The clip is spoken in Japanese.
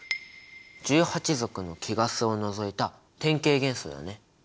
１８族の貴ガスを除いた典型元素だね。